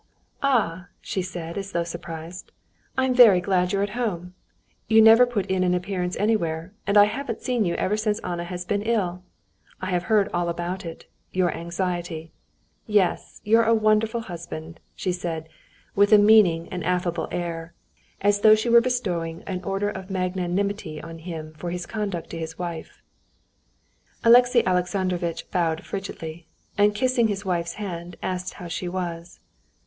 "Ah!" she said, as though surprised. "I'm very glad you're at home. You never put in an appearance anywhere, and I haven't seen you ever since Anna has been ill. I have heard all about it—your anxiety. Yes, you're a wonderful husband!" she said, with a meaning and affable air, as though she were bestowing an order of magnanimity on him for his conduct to his wife. Alexey Alexandrovitch bowed frigidly, and kissing his wife's hand, asked how she was.